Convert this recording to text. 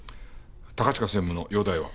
高近専務の容体は？